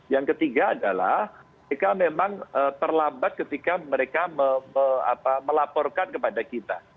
yang ketiga adalah mereka memang terlambat ketika mereka melaporkan kepada kita